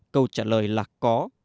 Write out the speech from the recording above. câu trả lời là có